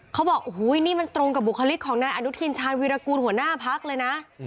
เขาบอกโอ้โหนี่มันตรงกับบุคลิกของนายอนุทินชาญวิรากูลหัวหน้าพักเลยนะ